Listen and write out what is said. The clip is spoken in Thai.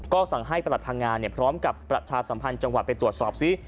ก็สั่งให้ประหลัดพังงาพร้อมกับประชาสัมพันธ์จังหวัดไปตรวจสอบซิ